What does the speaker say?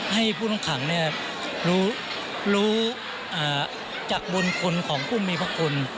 ให้ผู้ต้องขังรู้จากบุญคนของผู้มีพระคุณ